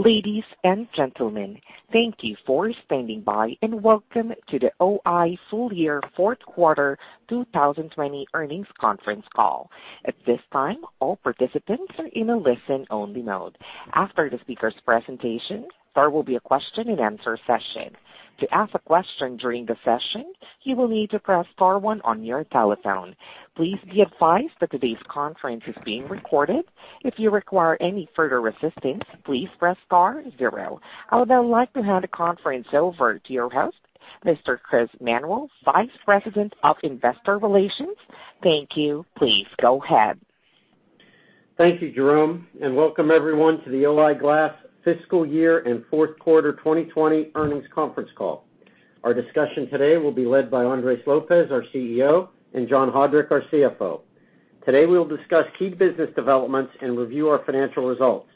Ladies and gentlemen, thank you for standing by, and welcome to the O-I full year fourth quarter 2020 earnings conference call. At this time, all participants are in a listen-only mode. After the speaker's presentation, there will be a question and answer session. To ask a question during the session, you will need to press star one on your telephone. Please be advised that today's conference is being recorded. If you require any further assistance, please press star zero. I would now like to hand the conference over to your host, Mr. Chris Manuel, Vice President of Investor Relations. Thank you. Please go ahead. Thank you, Jerome, and welcome everyone to the O-I Glass fiscal year and fourth quarter 2020 earnings conference call. Our discussion today will be led by Andres Lopez, our CEO, and John Haudrich, our CFO. Today we will discuss key business developments and review our financial results.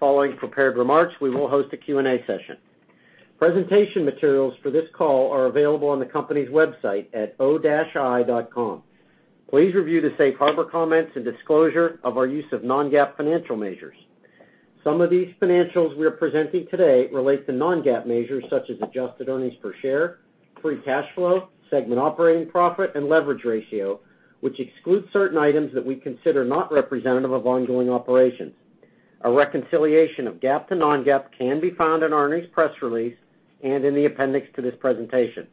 Following prepared remarks, we will host a Q&A session. Presentation materials for this call are available on the company's website at o-i.com. Please review the safe harbor comments and disclosure of our use of non-GAAP financial measures. Some of these financials we are presenting today relate to non-GAAP measures such as adjusted earnings per share, free cash flow, segment operating profit, and leverage ratio, which excludes certain items that we consider not representative of ongoing operations. A reconciliation of GAAP to non-GAAP can be found in our earnings press release and in the appendix to this presentation.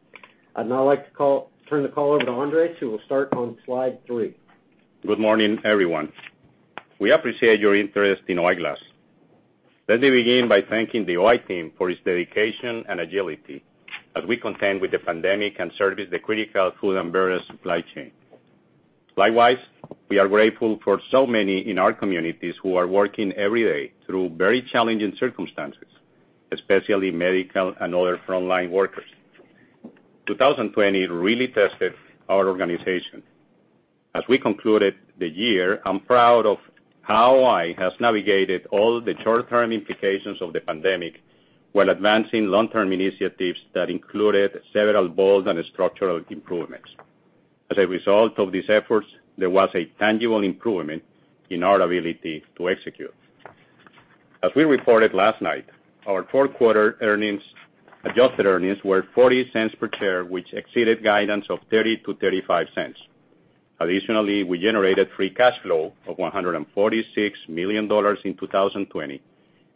I'd now like to turn the call over to Andres, who will start on slide three. Good morning, everyone. We appreciate your interest in O-I Glass. Let me begin by thanking the O-I team for its dedication and agility as we contend with the pandemic and service the critical food and beverage supply chain. Likewise, we are grateful for so many in our communities who are working every day through very challenging circumstances, especially medical and other frontline workers. 2020 really tested our organization. As we concluded the year, I'm proud of how O-I has navigated all the short-term implications of the pandemic while advancing long-term initiatives that included several bold and structural improvements. As a result of these efforts, there was a tangible improvement in our ability to execute. As we reported last night, our fourth quarter adjusted earnings were $0.40 per share, which exceeded guidance of $0.30-$0.35. We generated free cash flow of $146 million in 2020,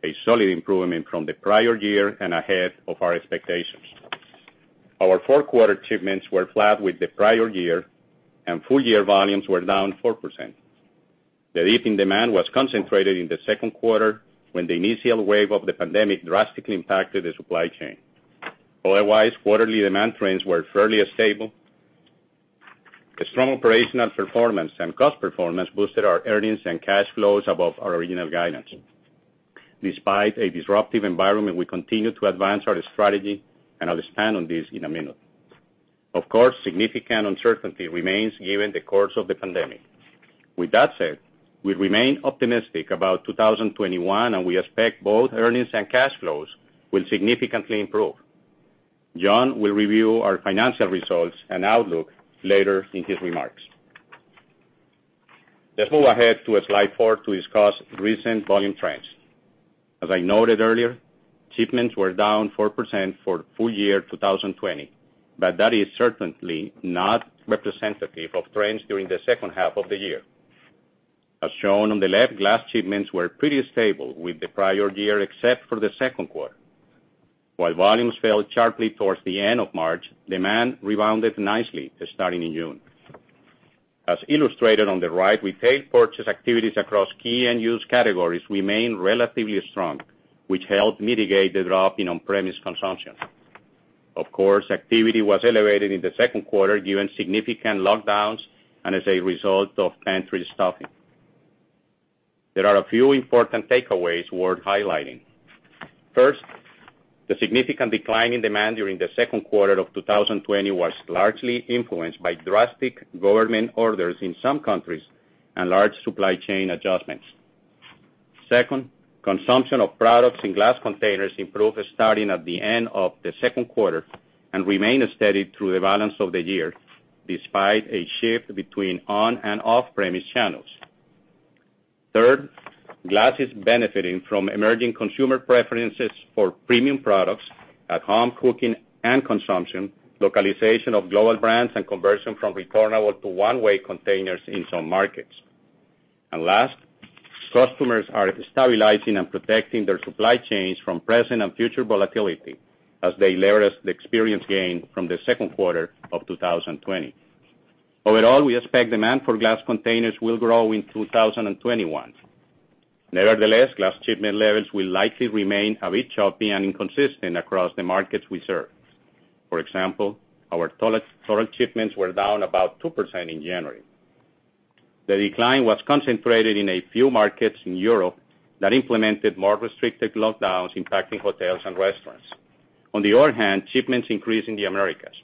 a solid improvement from the prior year and ahead of our expectations. Our fourth quarter shipments were flat with the prior year, full-year volumes were down 4%. The dip in demand was concentrated in the second quarter, when the initial wave of the pandemic drastically impacted the supply chain. Otherwise quarterly demand trends were fairly stable. A strong operational performance and cost performance boosted our earnings and cash flows above our original guidance. Despite a disruptive environment, we continue to advance our strategy, I'll expand on this in a minute. Of course, significant uncertainty remains given the course of the pandemic. With that said we remain optimistic about 2021, we expect both earnings and cash flows will significantly improve. John will review our financial results and outlook later in his remarks. Let's move ahead to slide four to discuss recent volume trends. As I noted earlier, shipments were down 4% for full year 2020, that is certainly not representative of trends during the second half of the year. As shown on the left, glass shipments were pretty stable with the prior year, except for the second quarter. While volumes fell sharply towards the end of March, demand rebounded nicely starting in June. As illustrated on the right, retail purchase activities across key end-use categories remained relatively strong, which helped mitigate the drop in on-premise consumption. Of course, activity was elevated in the second quarter given significant lockdowns and as a result of pantry stuffing. There are a few important takeaways worth highlighting. First, the significant decline in demand during the second quarter of 2020 was largely influenced by drastic government orders in some countries and large supply chain adjustments. Second, consumption of products in glass containers improved starting at the end of the second quarter and remained steady through the balance of the year, despite a shift between on- and off-premise channels. Third, glass is benefiting from emerging consumer preferences for premium products, at-home cooking and consumption, localization of global brands, and conversion from returnable to one-way containers in some markets. Last, customers are stabilizing and protecting their supply chains from present and future volatility as they leverage the experience gained from the second quarter of 2020. Overall, we expect demand for glass containers will grow in 2021. Nevertheless, glass shipment levels will likely remain a bit choppy and inconsistent across the markets we serve. For example, our total shipments were down about 2% in January. The decline was concentrated in a few markets in Europe that implemented more restrictive lockdowns impacting hotels and restaurants. On the other hand, shipments increased in the Americas.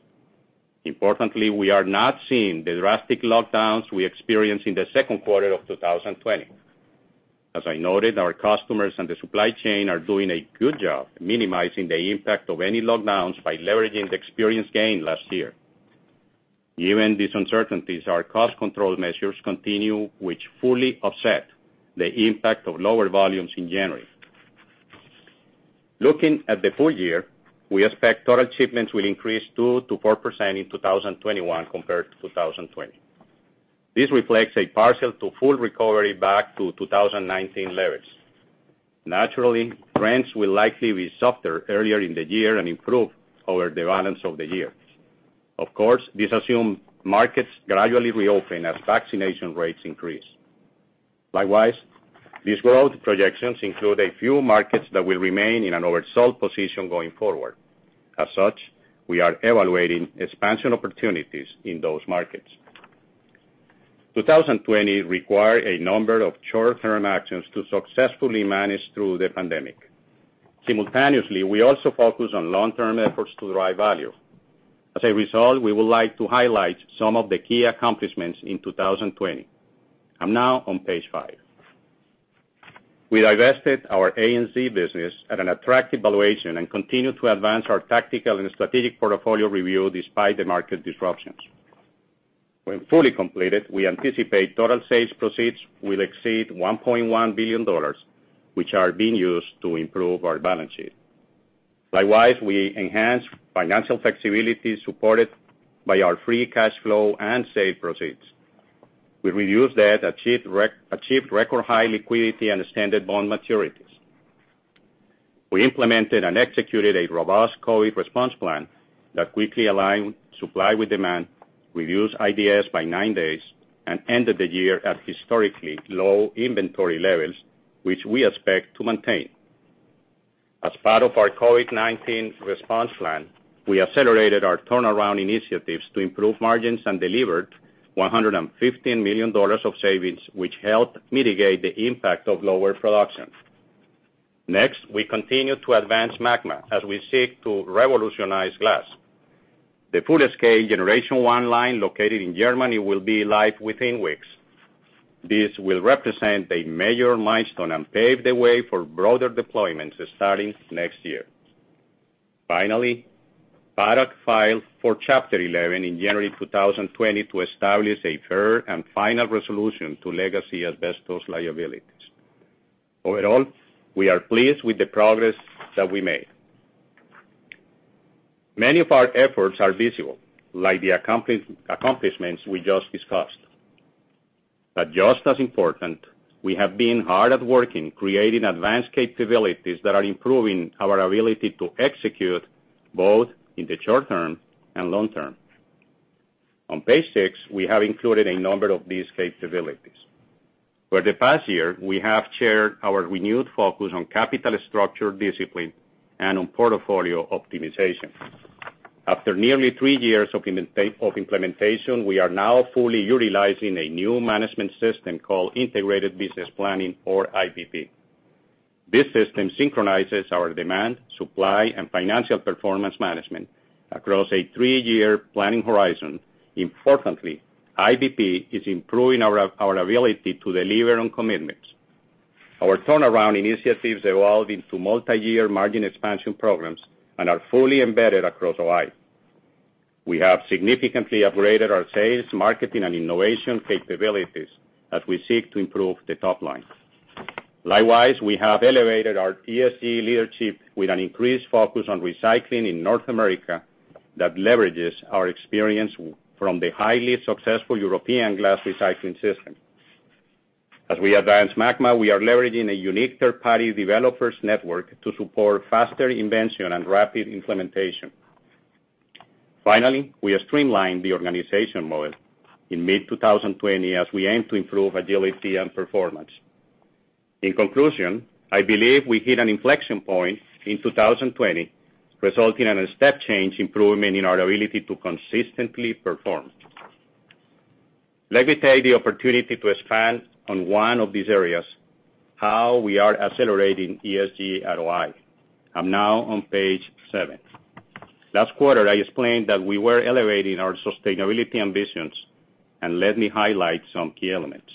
Importantly, we are not seeing the drastic lockdowns we experienced in the second quarter of 2020. As I noted, our customers and the supply chain are doing a good job minimizing the impact of any lockdowns by leveraging the experience gained last year. Given these uncertainties, our cost control measures continue, which fully offset the impact of lower volumes in January. Looking at the full year, we expect total shipments will increase 2%-4% in 2021 compared to 2020. This reflects a partial to full recovery back to 2019 levels. Naturally, trends will likely be softer earlier in the year and improve over the balance of the year. Of course, this assumes markets gradually reopen as vaccination rates increase. Likewise, these growth projections include a few markets that will remain in an oversold position going forward. As such, we are evaluating expansion opportunities in those markets. 2020 required a number of short-term actions to successfully manage through the pandemic. Simultaneously, we also focused on long-term efforts to drive value. As a result, we would like to highlight some of the key accomplishments in 2020. I'm now on page five. We divested our ANZ business at an attractive valuation and continued to advance our tactical and strategic portfolio review despite the market disruptions. When fully completed, we anticipate total sales proceeds will exceed $1.1 billion, which are being used to improve our balance sheet. Likewise, we enhanced financial flexibility supported by our free cash flow and sale proceeds. We reduced debt, achieved record high liquidity and extended bond maturities. We implemented and executed a robust COVID response plan that quickly aligned supply with demand, reduced IDS by nine days, and ended the year at historically low inventory levels, which we expect to maintain. As part of our COVID-19 response plan, we accelerated our turnaround initiatives to improve margins and delivered $115 million of savings, which helped mitigate the impact of lower production. Next, we continue to advance MAGMA as we seek to revolutionize glass. The full-scale Generation 1 line located in Germany will be live within weeks. This will represent a major milestone and pave the way for broader deployments starting next year. Finally, Paddock filed for Chapter 11 in January 2020 to establish a fair and final resolution to legacy asbestos liabilities. Overall, we are pleased with the progress that we made. Many of our efforts are visible, like the accomplishments we just discussed. Just as important, we have been hard at work in creating advanced capabilities that are improving our ability to execute, both in the short term and long term. On page six, we have included a number of these capabilities. For the past year, we have shared our renewed focus on capital structure discipline and on portfolio optimization. After nearly three years of implementation, we are now fully utilizing a new management system called Integrated Business Planning or IBP. This system synchronizes our demand, supply, and financial performance management across a three-year planning horizon. Importantly, IBP is improving our ability to deliver on commitments. Our turnaround initiatives evolved into multi-year margin expansion programs and are fully embedded across O-I. We have significantly upgraded our sales, marketing, and innovation capabilities as we seek to improve the top line. Likewise, we have elevated our ESG leadership with an increased focus on recycling in North America that leverages our experience from the highly successful European glass recycling system. As we advance MAGMA, we are leveraging a unique third-party developers network to support faster invention and rapid implementation. Finally, we have streamlined the organization model in mid-2020 as we aim to improve agility and performance. In conclusion, I believe we hit an inflection point in 2020, resulting in a step change improvement in our ability to consistently perform. Let me take the opportunity to expand on one of these areas, how we are accelerating ESG at O-I. I'm now on page seven. Last quarter, I explained that we were elevating our sustainability ambitions, and let me highlight some key elements.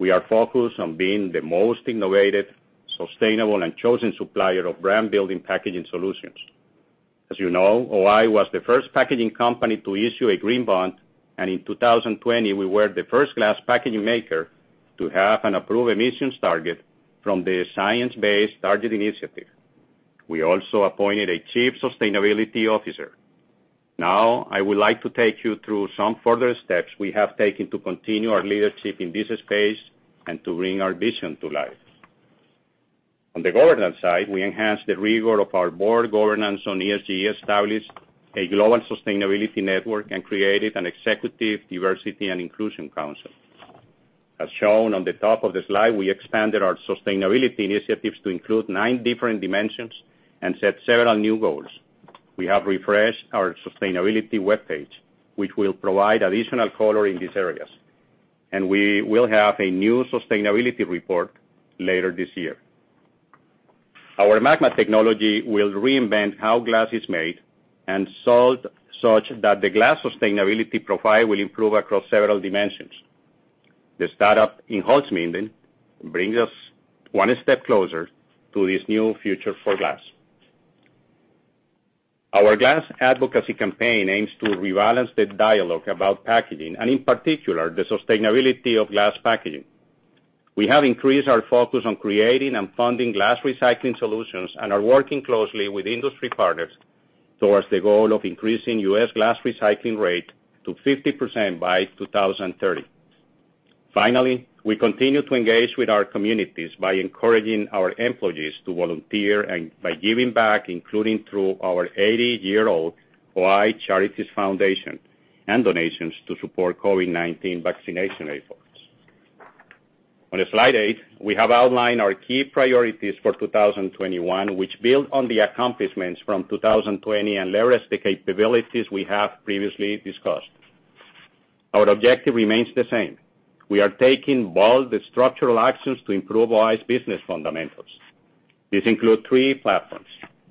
We are focused on being the most innovative, sustainable, and chosen supplier of brand-building packaging solutions. As you know, O-I was the first packaging company to issue a green bond, and in 2020, we were the first glass packaging maker to have an approved emissions target from the Science Based Targets initiative. We also appointed a chief sustainability officer. I would like to take you through some further steps we have taken to continue our leadership in this space and to bring our vision to life. On the governance side, we enhanced the rigor of our board governance on ESG, established a global sustainability network, and created an executive diversity and inclusion council. As shown on the top of the slide, we expanded our sustainability initiatives to include nine different dimensions and set several new goals. We have refreshed our sustainability webpage, which will provide additional color in these areas, and we will have a new sustainability report later this year. Our MAGMA technology will reinvent how glass is made and sold such that the glass sustainability profile will improve across several dimensions. The startup in Holzminden brings us one step closer to this new future for glass. Our glass advocacy campaign aims to rebalance the dialogue about packaging, and in particular, the sustainability of glass packaging. We have increased our focus on creating and funding glass recycling solutions and are working closely with industry partners towards the goal of increasing U.S. glass recycling rate to 50% by 2030. Finally, we continue to engage with our communities by encouraging our employees to volunteer and by giving back, including through our 80-year-old O-I Charities Foundation and donations to support COVID-19 vaccination efforts. On slide eight, we have outlined our key priorities for 2021, which build on the accomplishments from 2020 and leverage the capabilities we have previously discussed. Our objective remains the same. We are taking bold structural actions to improve O-I's business fundamentals. These include three platforms.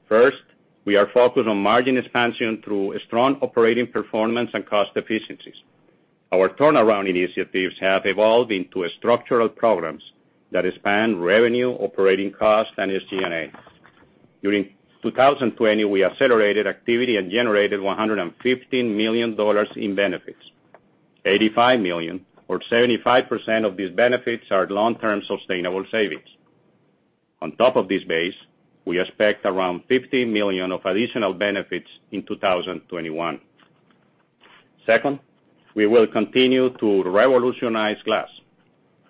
First, we are focused on margin expansion through strong operating performance and cost efficiencies. Our turnaround initiatives have evolved into structural programs that span revenue, operating costs, and SG&A. During 2020, we accelerated activity and generated $115 million in benefits. $85 million, or 75% of these benefits are long-term sustainable savings. On top of this base, we expect around $50 million of additional benefits in 2021. Second, we will continue to revolutionize glass.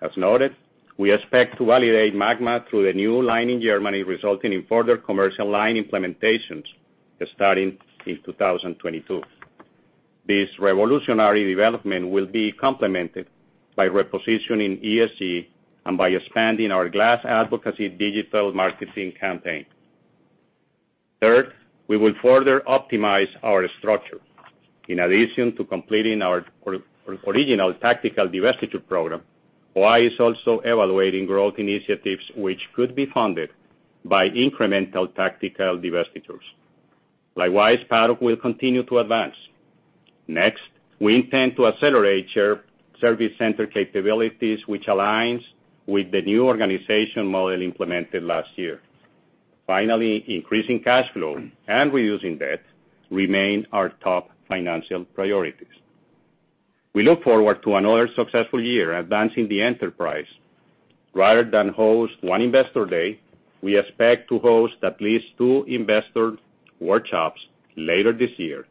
As noted, we expect to validate MAGMA through the new line in Germany, resulting in further commercial line implementations starting in 2022. This revolutionary development will be complemented by repositioning ESG and by expanding our glass advocacy digital marketing campaign. Third, we will further optimize our structure. In addition to completing our original tactical divestiture program, O-I is also evaluating growth initiatives which could be funded by incremental tactical divestitures. Likewise, Paddock will continue to advance. Next, we intend to accelerate service center capabilities, which aligns with the new organization model implemented last year. Finally, increasing cash flow and reducing debt remain our top financial priorities. We look forward to another successful year advancing the enterprise. Rather than host one investor day, we expect to host at least two investor workshops later this year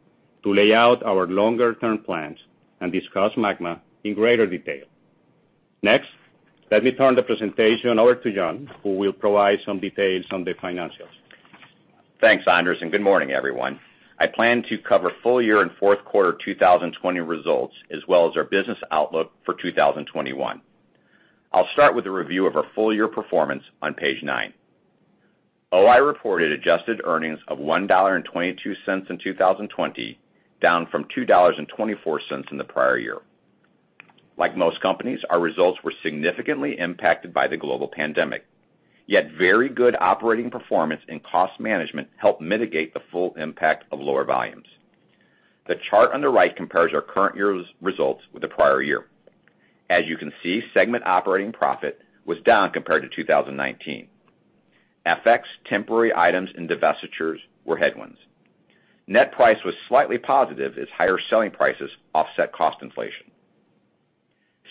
to lay out our longer-term plans and discuss MAGMA in greater detail. Next, let me turn the presentation over to John, who will provide some details on the financials. Thanks, Andres, good morning, everyone. I plan to cover full year and fourth quarter 2020 results, as well as our business outlook for 2021. I'll start with a review of our full year performance on page nine. O-I reported adjusted earnings of $1.22 in 2020, down from $2.24 in the prior year. Like most companies, our results were significantly impacted by the global pandemic, yet very good operating performance and cost management helped mitigate the full impact of lower volumes. The chart on the right compares our current year's results with the prior year. As you can see, segment operating profit was down compared to 2019. FX temporary items and divestitures were headwinds. Net price was slightly positive as higher selling prices offset cost inflation.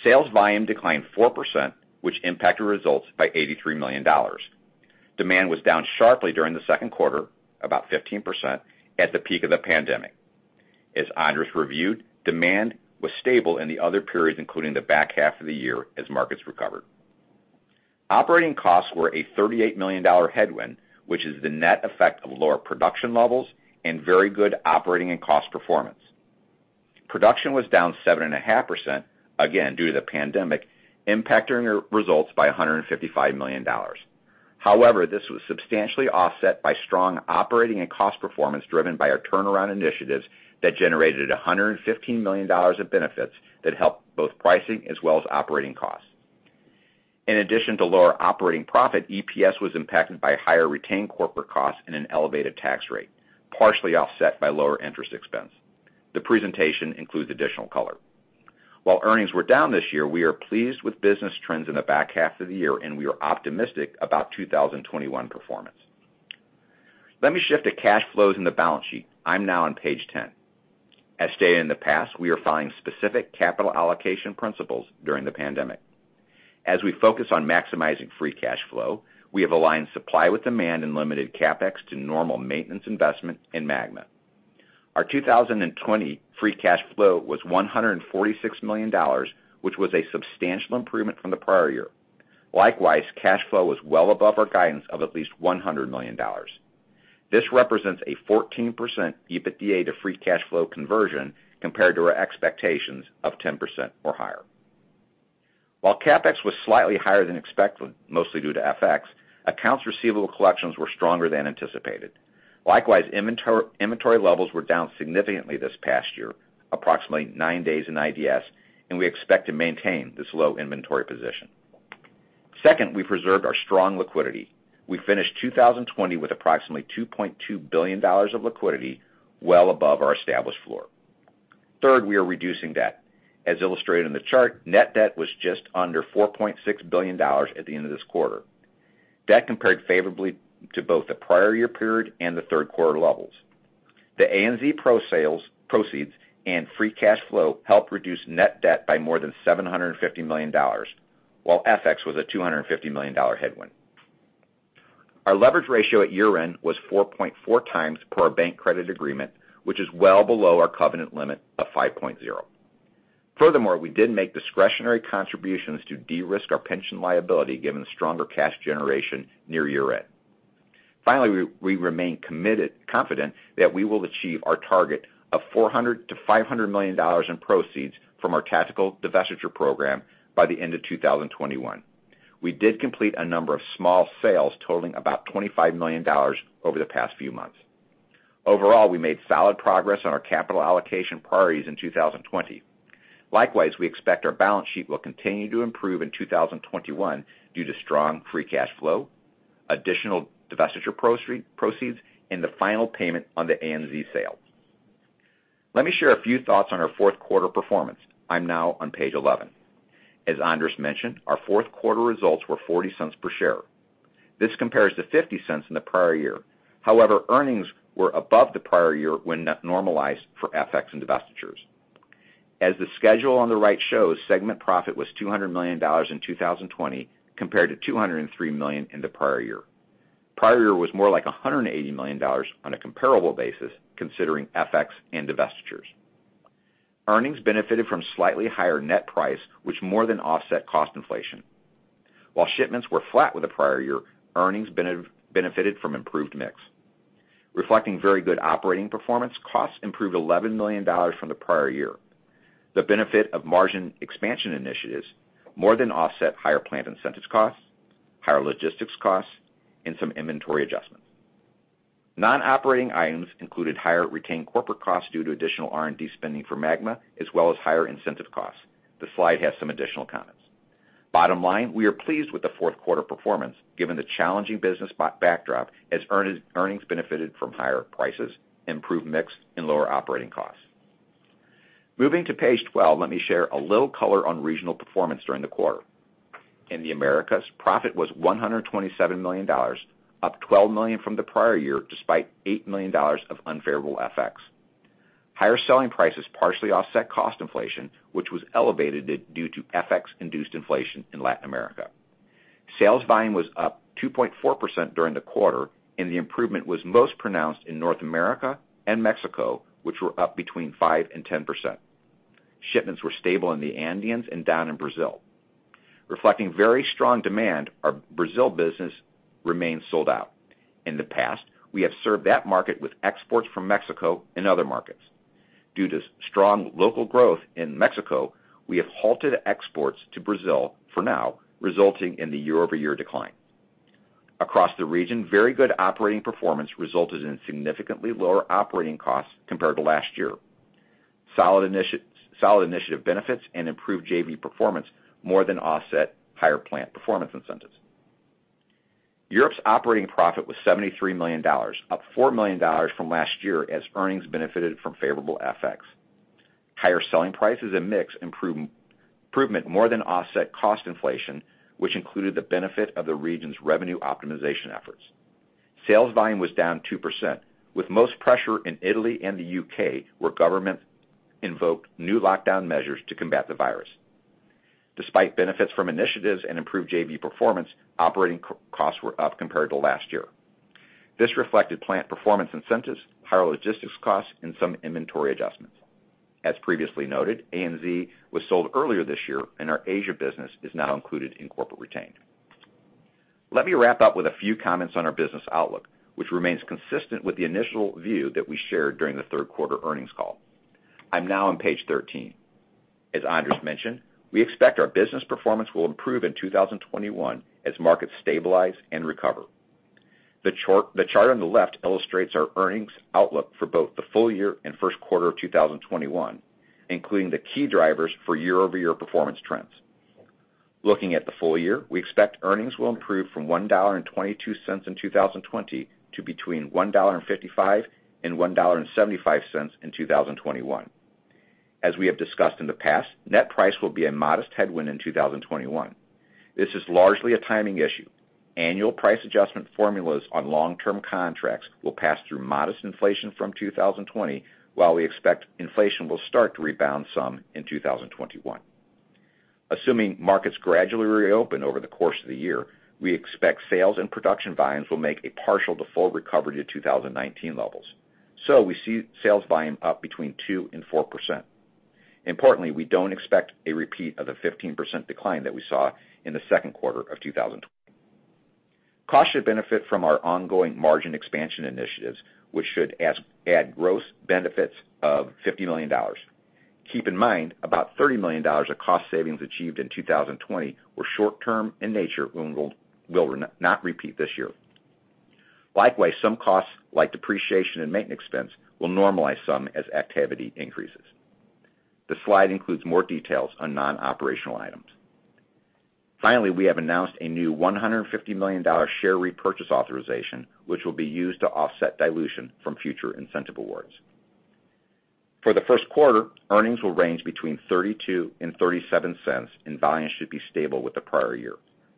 Sales volume declined 4%, which impacted results by $83 million. Demand was down sharply during the second quarter, about 15%, at the peak of the pandemic. As Andres reviewed, demand was stable in the other periods, including the back half of the year, as markets recovered. Operating costs were a $38 million headwind, which is the net effect of lower production levels and very good operating and cost performance. Production was down 7.5%, again, due to the pandemic, impacting our results by $155 million. However, this was substantially offset by strong operating and cost performance driven by our turnaround initiatives that generated $115 million of benefits that helped both pricing as well as operating costs. In addition to lower operating profit, EPS was impacted by higher retained corporate costs and an elevated tax rate, partially offset by lower interest expense. The presentation includes additional color. While earnings were down this year, we are pleased with business trends in the back half of the year, and we are optimistic about 2021 performance. Let me shift to cash flows in the balance sheet. I'm now on page 10. As stated in the past, we are following specific capital allocation principles during the pandemic. As we focus on maximizing free cash flow, we have aligned supply with demand and limited CapEx to normal maintenance investment in MAGMA. Our 2020 free cash flow was $146 million, which was a substantial improvement from the prior year. Likewise, cash flow was well above our guidance of at least $100 million. This represents a 14% EBITDA to free cash flow conversion compared to our expectations of 10% or higher. While CapEx was slightly higher than expected, mostly due to FX, accounts receivable collections were stronger than anticipated. Likewise, inventory levels were down significantly this past year, approximately nine days in IDS, and we expect to maintain this low inventory position. Second, we preserved our strong liquidity. We finished 2020 with approximately $2.2 billion of liquidity, well above our established floor. Third, we are reducing debt. As illustrated in the chart, net debt was just under $4.6 billion at the end of this quarter. Debt compared favorably to both the prior year period and the third quarter levels. The ANZ pro proceeds and free cash flow helped reduce net debt by more than $750 million, while FX was a $250 million headwind. Our leverage ratio at year-end was 4.4 times per our Bank Credit Agreement, which is well below our covenant limit of 5.0. Furthermore, we did make discretionary contributions to de-risk our pension liability, given the stronger cash generation near year-end. We remain confident that we will achieve our target of $400 million-$500 million in proceeds from our tactical divestiture program by the end of 2021. We did complete a number of small sales totaling about $25 million over the past few months. Overall, we made solid progress on our capital allocation priorities in 2020. Likewise, we expect our balance sheet will continue to improve in 2021 due to strong free cash flow, additional divestiture proceeds, and the final payment on the ANZ sale. Let me share a few thoughts on our fourth quarter performance. I'm now on page 11. As Andres mentioned, our fourth quarter results were $0.40 per share. This compares to $0.50 in the prior year. However, earnings were above the prior year when normalized for FX and divestitures. As the schedule on the right shows, segment profit was $200 million in 2020, compared to $203 million in the prior year. Prior year was more like $180 million on a comparable basis considering FX and divestitures. Earnings benefited from slightly higher net price, which more than offset cost inflation. While shipments were flat with the prior year, earnings benefited from improved mix. Reflecting very good operating performance, costs improved $11 million from the prior year. The benefit of margin expansion initiatives more than offset higher plant incentive costs, higher logistics costs, and some inventory adjustments. Non-operating items included higher retained corporate costs due to additional R&D spending for MAGMA, as well as higher incentive costs. The slide has some additional comments. Bottom line, we are pleased with the fourth quarter performance given the challenging business backdrop as earnings benefited from higher prices, improved mix, and lower operating costs. Moving to page 12, let me share a little color on regional performance during the quarter. In the Americas, profit was $127 million, up $12 million from the prior year, despite $8 million of unfavorable FX. Higher selling prices partially offset cost inflation, which was elevated due to FX-induced inflation in Latin America. Sales volume was up 2.4% during the quarter. The improvement was most pronounced in North America and Mexico, which were up between 5% and 10%. Shipments were stable in the Andeans and down in Brazil. Reflecting very strong demand, our Brazil business remains sold out. In the past, we have served that market with exports from Mexico and other markets. Due to strong local growth in Mexico, we have halted exports to Brazil for now, resulting in the year-over-year decline. Across the region, very good operating performance resulted in significantly lower operating costs compared to last year. Solid initiative benefits and improved JV performance more than offset higher plant performance incentives. Europe's operating profit was $73 million, up $4 million from last year as earnings benefited from favorable FX. Higher selling prices and mix improvement more than offset cost inflation, which included the benefit of the region's revenue optimization efforts. Sales volume was down 2%, with most pressure in Italy and the U.K., where government invoked new lockdown measures to combat the virus. Despite benefits from initiatives and improved JV performance, operating costs were up compared to last year. This reflected plant performance incentives, higher logistics costs, and some inventory adjustments. As previously noted, ANZ was sold earlier this year and our Asia business is now included in corporate retained. Let me wrap up with a few comments on our business outlook, which remains consistent with the initial view that we shared during the third quarter earnings call. I'm now on page 13. As Andres mentioned, we expect our business performance will improve in 2021 as markets stabilize and recover. The chart on the left illustrates our earnings outlook for both the full year and first quarter of 2021, including the key drivers for year-over-year performance trends. Looking at the full year, we expect earnings will improve from $1.22 in 2020 to between $1.55 and $1.75 in 2021. As we have discussed in the past, net price will be a modest headwind in 2021. This is largely a timing issue. Annual price adjustment formulas on long-term contracts will pass through modest inflation from 2020, while we expect inflation will start to rebound some in 2021. Assuming markets gradually reopen over the course of the year, we expect sales and production volumes will make a partial to full recovery to 2019 levels. We see sales volume up between 2% and 4%. Importantly, we don't expect a repeat of the 15% decline that we saw in the second quarter of 2020. Cost should benefit from our ongoing margin expansion initiatives, which should add gross benefits of $50 million. Keep in mind, about $30 million of cost savings achieved in 2020 were short term in nature and will not repeat this year. Likewise, some costs like depreciation and maintenance expense will normalize some as activity increases. The slide includes more details on non-operational items. Finally, we have announced a new $150 million share repurchase authorization, which will be used to offset dilution from future incentive awards. For the first quarter, earnings will range between $0.32 and $0.37, volumes should be stable with the prior year.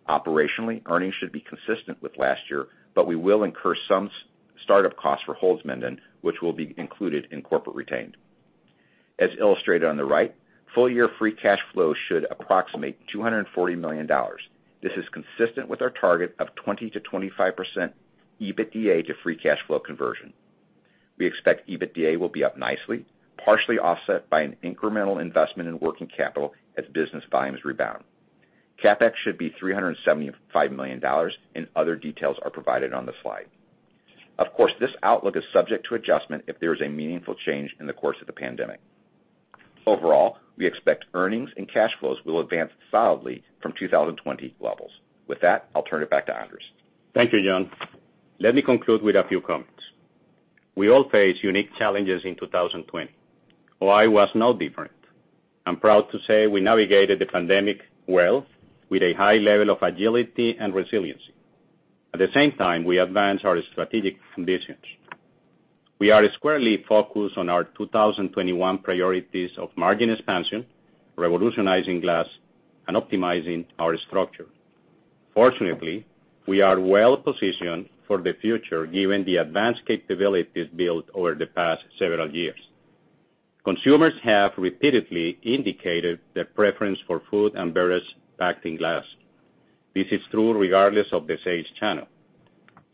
Operationally, earnings should be consistent with last year, but, we will incur some startup costs for Holzminden, which will be included in corporate retained. As illustrated on the right, full year free cash flow should approximate $240 million. This is consistent with our target of 20%-25% EBITDA to free cash flow conversion. We expect EBITDA will be up nicely, partially offset by an incremental investment in working capital as business volumes rebound. CapEx should be $375 million, other details are provided on the slide. Of course, this outlook is subject to adjustment if there is a meaningful change in the course of the pandemic. Overall, we expect earnings and cash flows will advance solidly from 2020 levels. With that, I'll turn it back to Andres. Thank you, John. Let me conclude with a few comments. We all faced unique challenges in 2020. O-I was no different. I'm proud to say we navigated the pandemic well with a high level of agility and resiliency. At the same time, we advanced our strategic ambitions. We are squarely focused on our 2021 priorities of margin expansion, revolutionizing glass, and optimizing our structure. Fortunately, we are well-positioned for the future given the advanced capabilities built over the past several years. Consumers have repeatedly indicated their preference for food and beverage packed in glass. This is true regardless of the sales channel.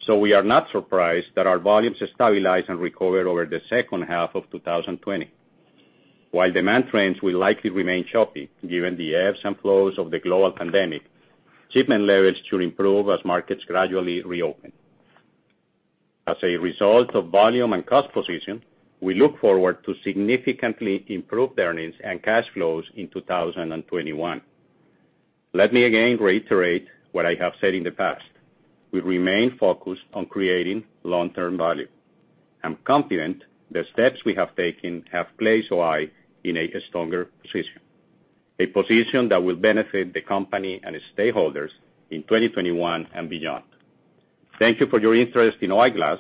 We are not surprised that our volumes stabilized and recovered over the second half of 2020. While demand trends will likely remain choppy, given the ebbs and flows of the global pandemic, shipment levels should improve as markets gradually reopen. As a result of volume and cost position, we look forward to significantly improved earnings and cash flows in 2021. Let me again reiterate what I have said in the past. We remain focused on creating long-term value. I'm confident the steps we have taken have placed O-I in a stronger position, a position that will benefit the company and its stakeholders in 2021 and beyond. Thank you for your interest in O-I Glass,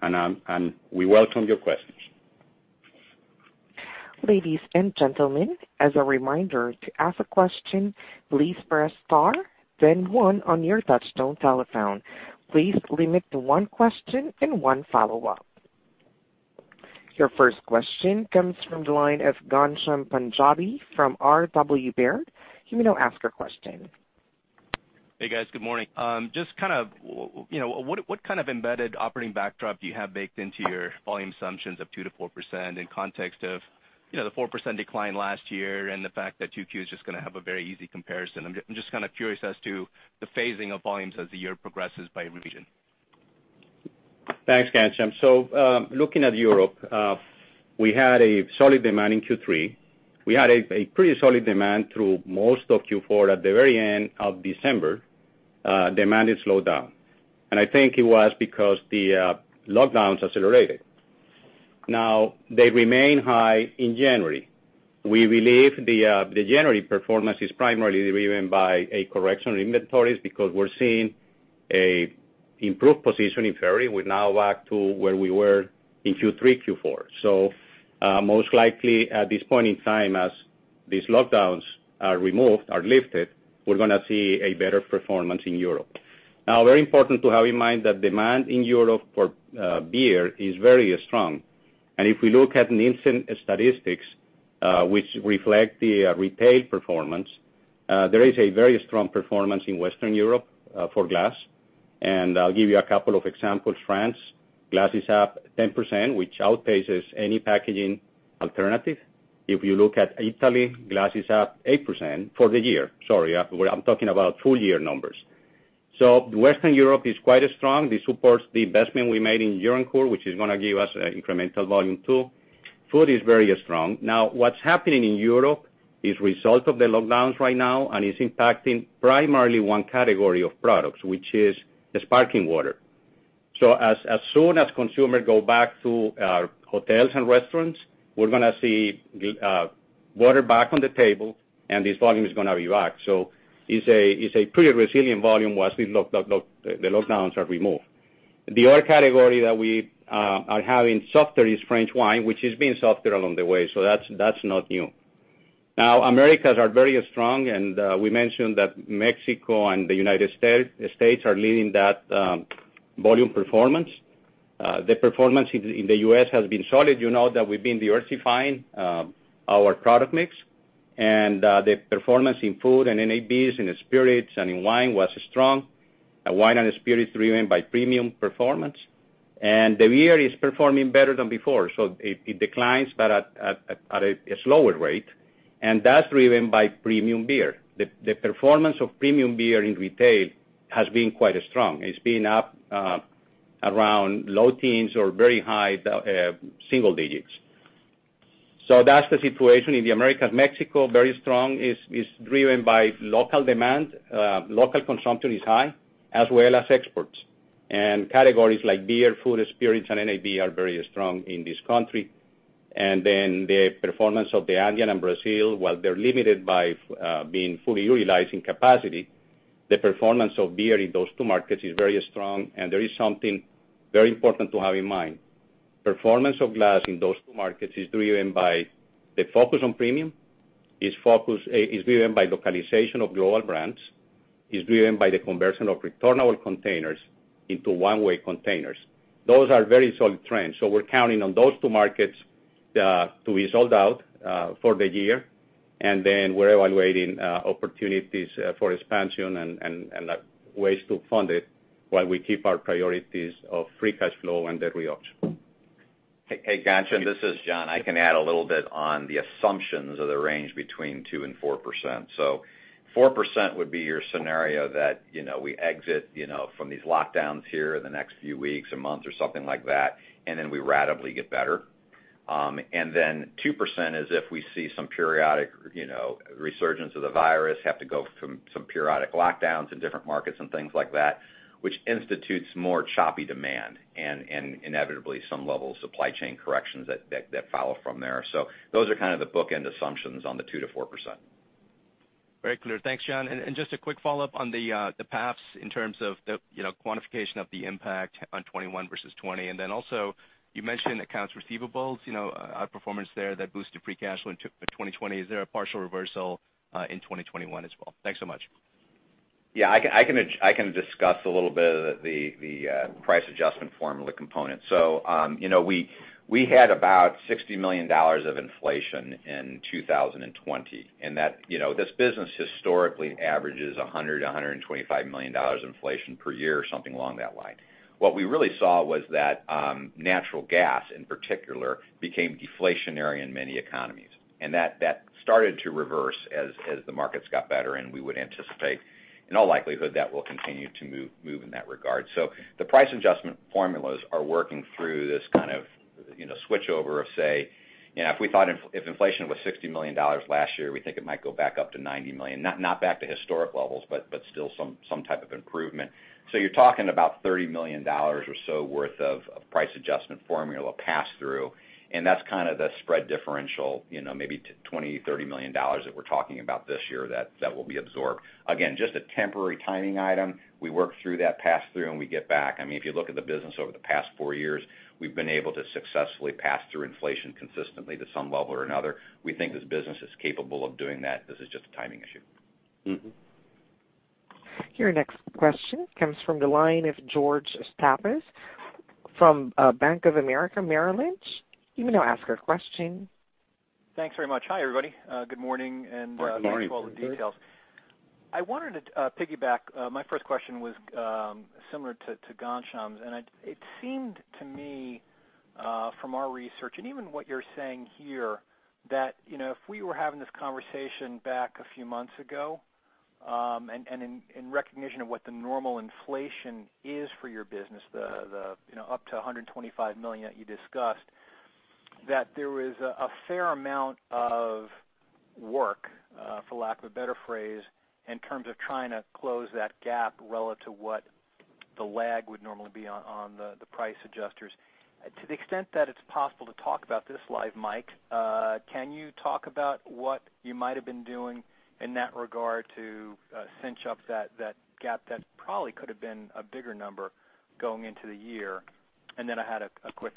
and we welcome your questions. Ladies and gentlemen, as a reminder, to ask a question, please press star, then one on your touch-tone telephone. Please limit to one question and one follow-up. Your first question comes from the line of Ghansham Panjabi from R.W. Baird. You may now ask your question. Hey, guys. Good morning. Just what kind of embedded operating backdrop do you have baked into your volume assumptions of 2%-4% in context of the 4% decline last year and the fact that 2Q is just going to have a very easy comparison? I'm just curious as to the phasing of volumes as the year progresses by region. Thanks, Ghansham. Looking at Europe, we had a solid demand in Q3. We had a pretty solid demand through most of Q4. At the very end of December, demand had slowed down, and I think it was because the lockdowns accelerated. They remain high in January. We believe the January performance is primarily driven by a correction in inventories because we're seeing an improved position in February. We're now back to where we were in Q3, Q4. Most likely at this point in time as these lockdowns are removed or lifted, we're going to see a better performance in Europe. Very important to have in mind that demand in Europe for beer is very strong. If we look at Nielsen statistics, which reflect the retail performance, there is a very strong performance in Western Europe for glass. I'll give you a couple of examples. France, glass is up 10%, which outpaces any packaging alternative. If you look at Italy, glass is up 8% for the year. Sorry, I'm talking about full-year numbers. Western Europe is quite strong. This supports the investment we made in Gironcourt, which is going to give us incremental volume, too. Food is very strong. Now, what's happening in Europe is a result of the lockdowns right now and is impacting primarily one category of products, which is the sparkling water. As soon as consumers go back to hotels and restaurants, we're going to see water back on the table, and this volume is going to be back. It's a pretty resilient volume once the lockdowns are removed. The other category that we are having softer is French wine, which has been softer along the way. That's not new. Americas are very strong. We mentioned that Mexico and the United States are leading that volume performance. The performance in the U.S. has been solid. You know that we've been diversifying our product mix. The performance in food and NABs, in spirits, and in wine was strong. Wine and spirits driven by premium performance. The beer is performing better than before. It declines but at a slower rate. That's driven by premium beer. The performance of premium beer in retail has been quite strong. It's been up around low teens or very high single digits. That's the situation in the Americas. Mexico, very strong, is driven by local demand. Local consumption is high, as well as exports. Categories like beer, food, spirits, and NAB are very strong in this country. Then the performance of the Andean and Brazil, while they're limited by being fully utilized in capacity, the performance of beer in those two markets is very strong, and there is something very important to have in mind. Performance of glass in those two markets is driven by the focus on premium. It's driven by localization of global brands, it's driven by the conversion of returnable containers into one-way containers. Those are very solid trends. We're counting on those two markets to be sold out for the year. Then we're evaluating opportunities for expansion and ways to fund it while we keep our priorities of free cash flow and debt reduction. Hey, Ghansham, this is John. I can add a little bit on the assumptions of the range between 2% and 4%. 4% would be your scenario that we exit from these lockdowns here in the next few weeks or months or something like that, and then we ratably get better. Then 2% is if we see some periodic resurgence of the virus, have to go from some periodic lockdowns in different markets and things like that, which institutes more choppy demand, and inevitably some level of supply chain corrections that follow from there. Those are kind of the bookend assumptions on the 2%-4%. Very clear. Thanks, John. Just a quick follow-up on the PAFs in terms of the quantification of the impact on 2021 versus 2020. Also, you mentioned accounts receivables, outperformance there that boosted free cash flow in 2020. Is there a partial reversal in 2021 as well? Thanks so much. Yeah, I can discuss a little bit of the price adjustment formula component. We had about $60 million of inflation in 2020, and this business historically averages $100 million-$125 million inflation per year or something along that line. What we really saw was that natural gas, in particular, became deflationary in many economies, and that started to reverse as the markets got better, and we would anticipate, in all likelihood, that will continue to move in that regard. The price adjustment formulas are working through this kind of switchover of, say, if we thought if inflation was $60 million last year, we think it might go back up to $90 million. Not back to historic levels, but still some type of improvement. You're talking about $30 million or so worth of price adjustment formula pass-through, and that's kind of the spread differential, maybe $20 million-$30 million that we're talking about this year that will be absorbed. Again, just a temporary timing item. We work through that pass-through, and we get back. If you look at the business over the past four years, we've been able to successfully pass through inflation consistently to some level or another. We think this business is capable of doing that. This is just a timing issue. Your next question comes from the line of George Staphos from Bank of America Merrill Lynch. You may now ask your question. Thanks very much. Hi, everybody. Good morning. Good morning. Thanks for all the details. I wanted to piggyback. My first question was similar to Ghansham's. It seemed to me, from our research and even what you're saying here, that if we were having this conversation back a few months ago, and in recognition of what the normal inflation is for your business, the up to $125 million that you discussed, that there was a fair amount of work, for lack of a better phrase, in terms of trying to close that gap relative to what the lag would normally be on the price adjusters. To the extent that it's possible to talk about this live, Mike, can you talk about what you might have been doing in that regard to cinch up that gap that probably could have been a bigger number going into the year? Then I had a quick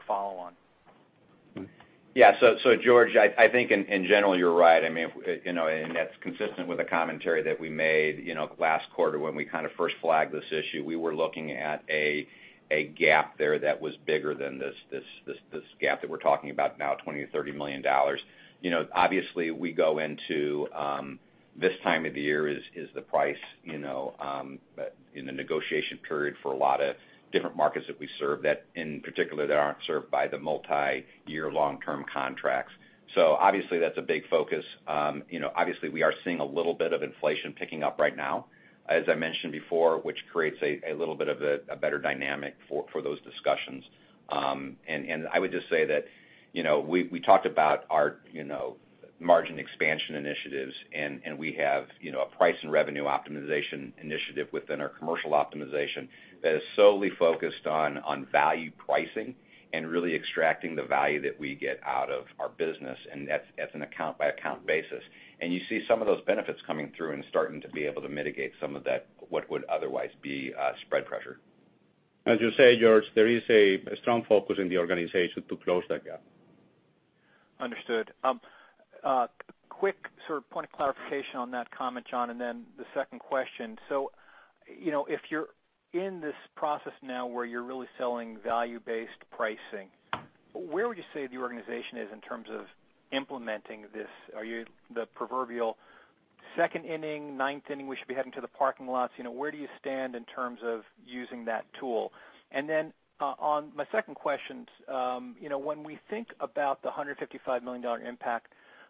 follow-on. George, I think in general, you're right. That's consistent with the commentary that we made last quarter when we kind of first flagged this issue. We were looking at a gap there that was bigger than this gap that we're talking about now, $20 million-$30 million. Obviously, we go into this time of the year is the price in the negotiation period for a lot of different markets that we serve, that in particular, that aren't served by the multi-year long-term contracts. Obviously, that's a big focus. Obviously, we are seeing a little bit of inflation picking up right now, as I mentioned before, which creates a little bit of a better dynamic for those discussions. I would just say that we talked about our margin expansion initiatives. We have a price and revenue optimization initiative within our commercial optimization that is solely focused on value pricing and really extracting the value that we get out of our business. That's an account-by-account basis. You see some of those benefits coming through and starting to be able to mitigate some of that, what would otherwise be spread pressure. As you say, George, there is a strong focus in the organization to close that gap. Understood. Quick point of clarification on that comment, John, and then the second question. If you're in this process now where you're really selling value-based pricing, where would you say the organization is in terms of implementing this? Are you the proverbial second inning, ninth inning, we should be heading to the parking lots? Where do you stand in terms of using that tool? On my second question, when we think about the $155 million impact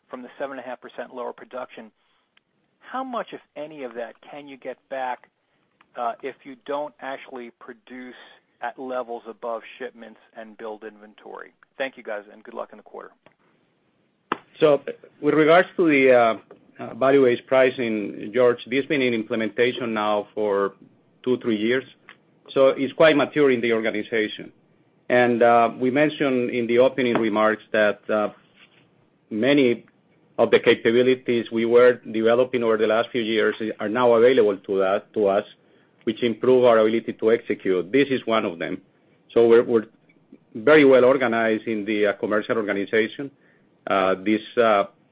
from the 7.5% lower production? How much, if any of that, can you get back, if you don't actually produce at levels above shipments and build inventory? Thank you, guys, and good luck in the quarter. With regards to the value-based pricing, George, this has been in implementation now for two, three years, so it's quite mature in the organization. We mentioned in the opening remarks that many of the capabilities we were developing over the last few years are now available to us, which improve our ability to execute. This is one of them. We're very well organized in the commercial organization. This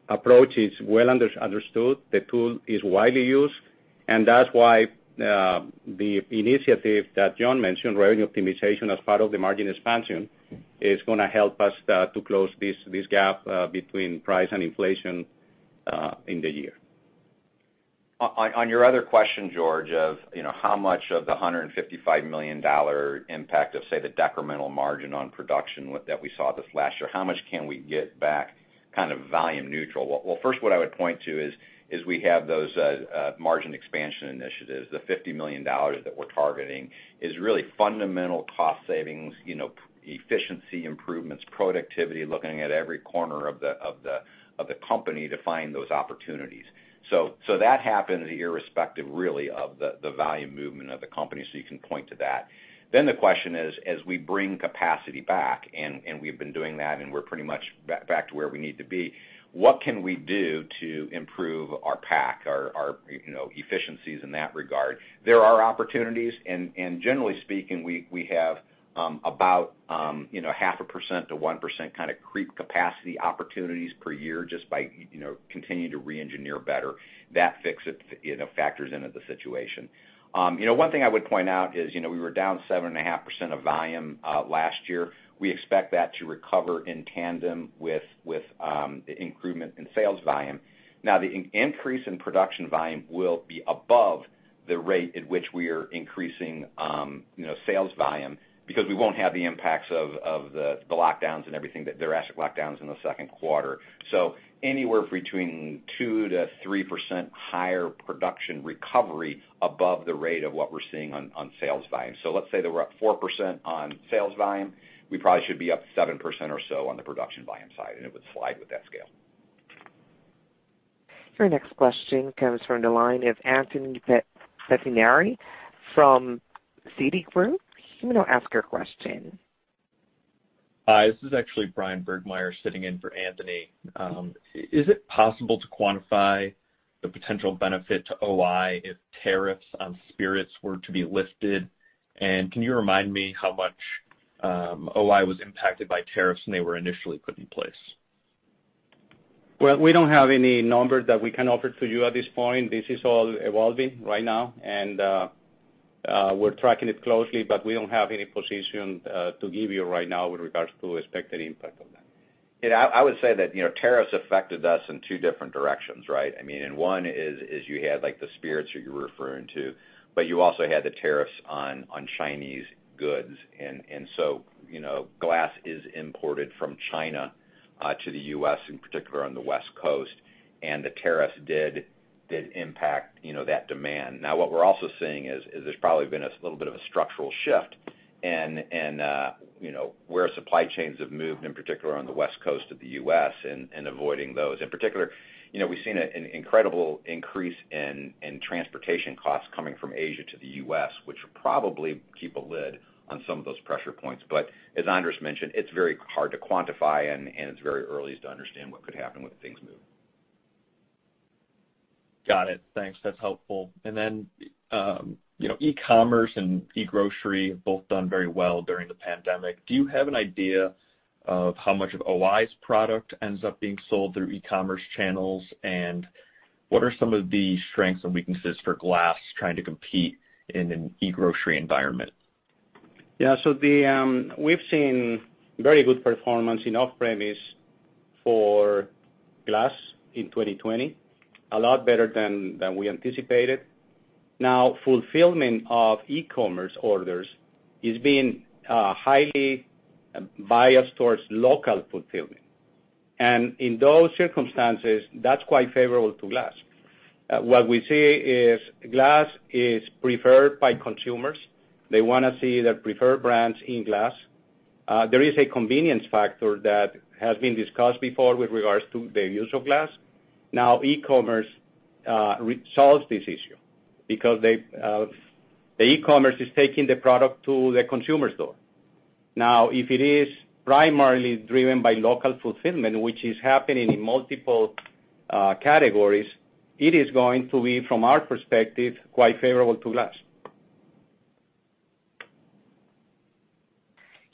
approach is well understood. The tool is widely used, and that's why the initiative that John mentioned, revenue optimization as part of the margin expansion, is going to help us to close this gap between price and inflation in the year. On your other question, George, of how much of the $155 million impact of, say, the decremental margin on production that we saw this last year, how much can we get back volume neutral? Well, first, what I would point to is we have those margin expansion initiatives. The $50 million that we're targeting is really fundamental cost savings, efficiency improvements, productivity, looking at every corner of the company to find those opportunities. That happens irrespective really of the volume movement of the company. You can point to that. The question is, as we bring capacity back, and we've been doing that, and we're pretty much back to where we need to be, what can we do to improve our pack, our efficiencies in that regard? There are opportunities and generally speaking, we have about 0.5%-1% kind of creep capacity opportunities per year just by continuing to re-engineer better. That fix factors into the situation. One thing I would point out is we were down 7.5% of volume last year. We expect that to recover in tandem with the improvement in sales volume. The increase in production volume will be above the rate at which we are increasing sales volume because we won't have the impacts of the drastic lockdowns in the second quarter. Anywhere between 2%-3% higher production recovery above the rate of what we're seeing on sales volume. Let's say that we're up 4% on sales volume, we probably should be up 7% or so on the production volume side, it would slide with that scale. Your next question comes from the line of Anthony Pettinari from Citigroup. You may now ask your question. Hi, this is actually Bryan Burgmeier sitting in for Anthony. Is it possible to quantify the potential benefit to O-I if tariffs on spirits were to be lifted? Can you remind me how much O-I was impacted by tariffs when they were initially put in place? Well, we don't have any numbers that we can offer to you at this point. This is all evolving right now, and we're tracking it closely, but we don't have any position to give you right now with regards to expected impact on that. I would say that tariffs affected us in two different directions, right? One is you had the spirits that you're referring to, but you also had the tariffs on Chinese goods. Glass is imported from China to the U.S., in particular on the West Coast. The tariffs did impact that demand. Now, what we're also seeing is there's probably been a little bit of a structural shift where supply chains have moved, in particular on the West Coast of the U.S., and avoiding those. In particular, we've seen an incredible increase in transportation costs coming from Asia to the U.S., which will probably keep a lid on some of those pressure points. As Andres mentioned, it's very hard to quantify, and it's very early to understand what could happen when things move. Got it. Thanks. That's helpful. E-commerce and e-grocery have both done very well during the pandemic. Do you have an idea of how much of O-I's product ends up being sold through e-commerce channels, and what are some of the strengths and weaknesses for glass trying to compete in an e-grocery environment? Yeah, we've seen very good performance in off-premise for glass in 2020, a lot better than we anticipated. Now, fulfillment of e-commerce orders is being highly biased towards local fulfillment. In those circumstances, that's quite favorable to glass. What we see is glass is preferred by consumers. They want to see their preferred brands in glass. There is a convenience factor that has been discussed before with regards to the use of glass. Now, e-commerce solves this issue because the e-commerce is taking the product to the consumer store. Now, if it is primarily driven by local fulfillment, which is happening in multiple categories, it is going to be, from our perspective, quite favorable to glass.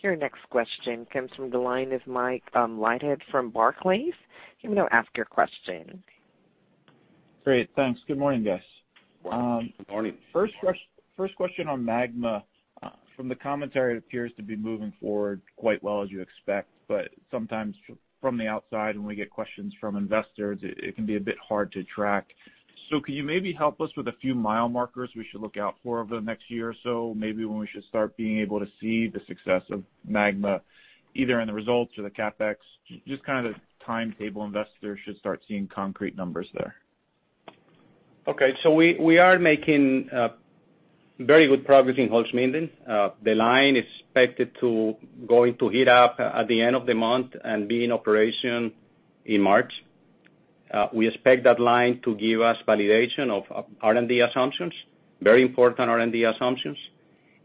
Your next question comes from the line of Mike Leithead from Barclays. You may now ask your question. Great. Thanks. Good morning, guys. Good morning. First question on MAGMA. From the commentary, it appears to be moving forward quite well as you expect, but sometimes from the outside when we get questions from investors, it can be a bit hard to track. Can you maybe help us with a few mile markers we should look out for over the next year or so? Maybe when we should start being able to see the success of MAGMA, either in the results or the CapEx? Just kind of the timetable investors should start seeing concrete numbers there. We are making very good progress in Holzminden. The line is expected to heat up at the end of the month and be in operation in March. We expect that line to give us validation of R&D assumptions, very important R&D assumptions.